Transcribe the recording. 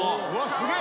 すげえ。